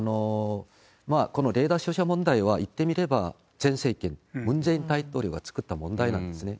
このレーダー照射問題は、言ってみれば、前政権、ムン・ジェイン大統領が作った問題なんですね。